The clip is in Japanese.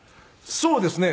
そうですね。